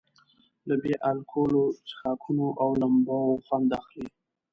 له بې الکولي څښاکونو او لمباوو خوند اخلي.